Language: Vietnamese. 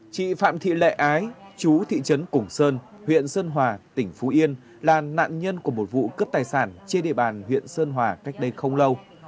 chị phạm thị lệ ái chú thị trấn củng sơn huyện sơn hòa tỉnh phú yên là nạn nhân của một vụ cướp tài sản trên địa bàn huyện sơn hòa cách đây không lâu